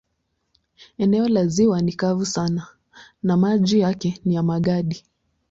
Eneo la ziwa ni kavu sana na maji yake ni ya magadi.